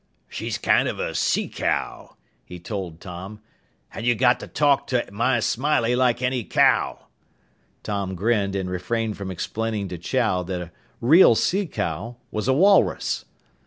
"She's kind of a sea cow," he told Tom, "and you got to talk to my Smiley like any cow!" Tom grinned and refrained from explaining to Chow that a real "sea cow" was a walrus.